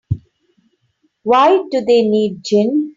Why do they need gin?